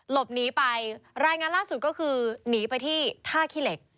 หลบหนีไปรายงานล่าสุดก็คือหนีไปที่ท่าขี้เหล็ก